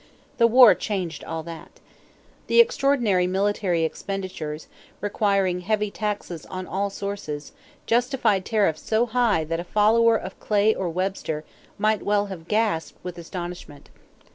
The war changed all that. The extraordinary military expenditures, requiring heavy taxes on all sources, justified tariffs so high that a follower of Clay or Webster might well have gasped with astonishment.